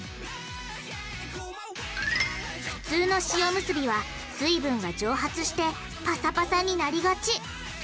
普通の塩むすびは水分が蒸発してパサパサになりがち。